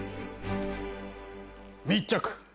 密着！